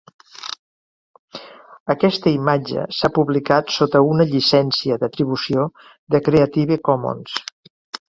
Aquesta imatge s'ha publicat sota una llicència d'atribució de Creative Commons.